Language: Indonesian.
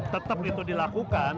tetap itu dilakukan